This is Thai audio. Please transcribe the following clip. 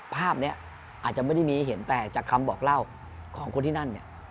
ภาพนี้อาจจะไม่ได้มีให้เห็นแต่จากคำบอกเล่าของคนที่นั่นเนี่ย